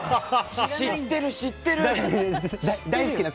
知ってる、知ってる！